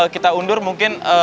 kita undur mungkin